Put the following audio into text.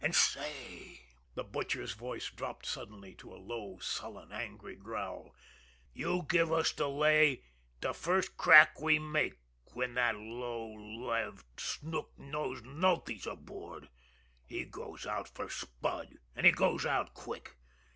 An' say" the Butcher's voice dropped suddenly to a low, sullen, ugly growl "you give us de lay de first crack we make when that low lived, snook nosed Nulty's aboard. He goes out fer Spud an' he goes out quick.